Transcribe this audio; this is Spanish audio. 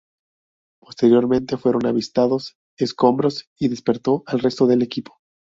Posteriormente fueron avistados escombros y se despertó al resto del equipo.